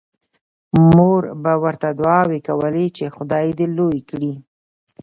مور به ورته دعاوې کولې چې خدای دې لوی کړي